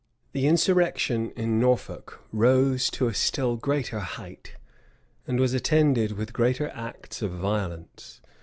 The insurrection in Norfolk rose to a still greater height, and was attended with greater acts of violence.